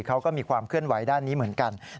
เขาก็มีความเคลื่อนไหวด้านนี้เหมือนกัน